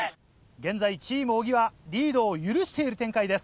現在チーム小木はリードを許している展開です。